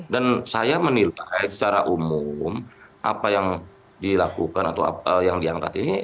dan saya menilai secara umum apa yang dilakukan atau yang diangkat ini